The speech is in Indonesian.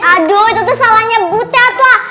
aduh itu tuh salahnya butet lah